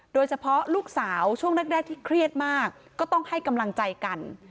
โดยเฉพาะลูกสาวช่วงแรกที่เครียดมากก็ต้องให้กำลังใจกัน